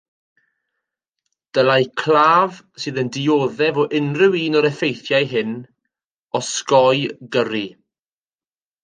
Dylai claf sydd yn dioddef o unrhyw un o'r effeithiau hyn osgoi gyrru.